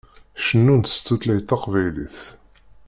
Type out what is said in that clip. Cennunt s tutlayt taqbaylit.